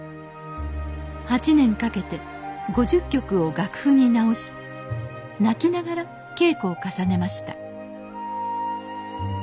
８年かけて５０曲を楽譜に直し泣きながら稽古を重ねました